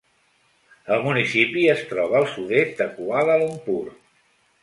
El municipi es troba al sud-est de Kuala Lumpur.